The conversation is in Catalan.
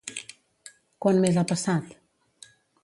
Quan més ha passat?